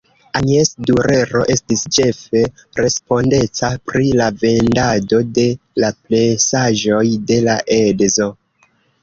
Agnes Durero estis ĉefe respondeca pri la vendado de la presaĵoj de la edzo.